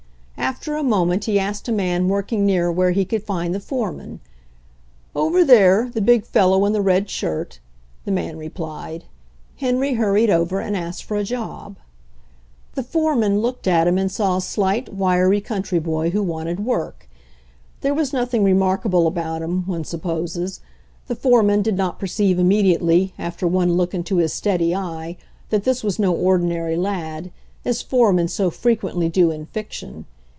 After a moment he asked a man working near where he could find the foreman. "Over there — the big fellow in the red shirt/' the man replied. Henry hurried over and asked for a job. The foreman looked at him and saw a slight, wiry country boy who wanted work. There was nothing remarkable about him, one supposes. The foreman did not perceive immediately, after one look into his steady eye, that this was no ordinary lad, as foremen so frequently do in fic tion.